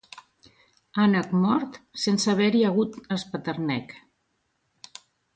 Ànec mort sense haver-hi hagut espeternec.